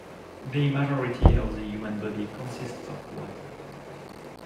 The majority of the human body consists of water.